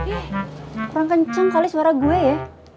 eh kurang kencang kali suara gue ya